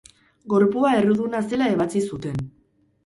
Gorpua erruduna zela ebatzi zuten.